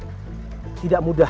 nah memang tidak mudah